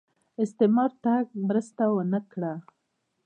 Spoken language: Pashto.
استعمار تګ مرسته ونه کړه